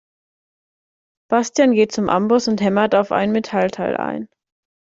Bastian geht zum Amboss und hämmert auf ein Metallteil ein.